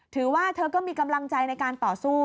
ถือว่าเธอก็มีกำลังใจในการต่อสู้